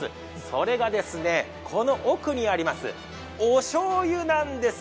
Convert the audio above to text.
それがこの奥にありますおしょうゆなんです。